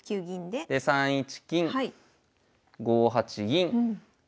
で３一金５八銀。